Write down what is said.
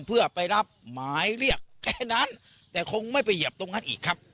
เพื่อไปรับหมายเรียกแค่นั้นแต่คงไม่ไปเหยียบตรงนั้นอีกครับ